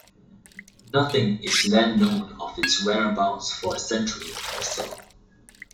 Nothing is then known of its whereabouts for a century or so.